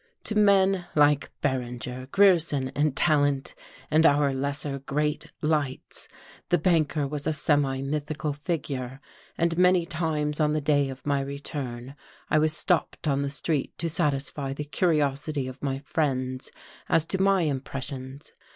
To men like Berringer, Grierson and Tallant and our lesser great lights the banker was a semi mythical figure, and many times on the day of my return I was stopped on the street to satisfy the curiosity of my friends as to my impressions.